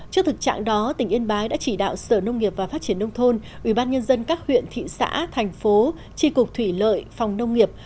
trước thực trạng đó tỉnh yên bái đã chỉ đạo sở nông nghiệp và phát triển nông thôn ubnd các huyện thị xã thành phố tri cục thủy lợi phòng nông nghiệp